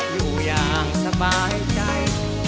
อยู่อย่างสบายใจ